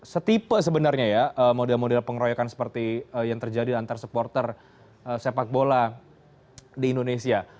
setipe sebenarnya ya model model pengeroyokan seperti yang terjadi antar supporter sepak bola di indonesia